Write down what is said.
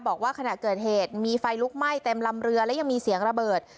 บอกว่าขณะเกิดเหตุมีไฟลุกไหม้เต็มลำเรือและยังมีเสียงระเบิด